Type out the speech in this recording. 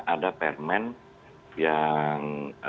ada permen yang